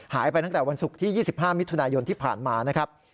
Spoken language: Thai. หายไปตั้งแต่วันศุกร์ที่๒๕มิถุนายนที่ผ่านมานะครับ